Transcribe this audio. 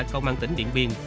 công an tỉnh điện biên